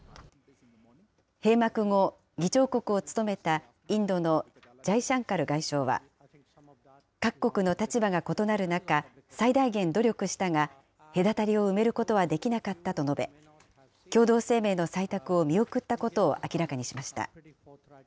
閉幕後、議長国を務めたインドのジャイシャンカル外相は、各国の立場が異なる中、最大限努力したが、隔たりを埋めることはできなかったと述べ、共同声明の採択を見送ったことを明らかにしました。